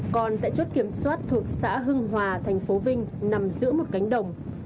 còn tại chốt kiểm soát thuộc xã hưng hòa thành phố vinh nằm giữa một cánh đồng